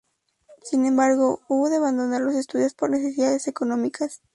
Sin embargo hubo de abandonar los estudios por necesidades económicas.